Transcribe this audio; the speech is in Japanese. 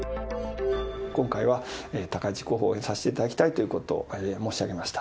今回は高市候補を応援させていただきたいということを申し上げました。